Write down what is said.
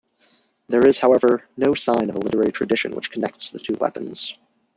There is however no sign of a literary tradition which connects the two weapons.